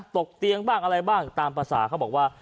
ตกเตียงบ้างอะไรบ้างตามภาษาเขาบอกว่า